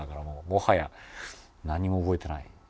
もはや何も覚えてないですね。